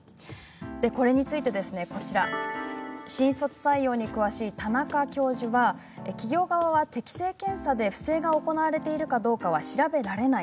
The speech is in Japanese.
これについて新卒採用に詳しい田中教授は企業側は適性検査で不正が行われているかどうかは調べられない。